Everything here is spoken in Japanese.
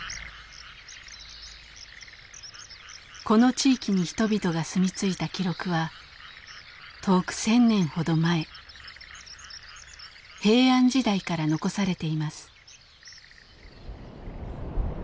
この地域に人々が住みついた記録は遠く１，０００年ほど前平安時代から残されています。